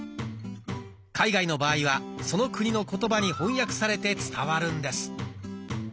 海外の場合はその国の言葉に翻訳されて伝わるんです。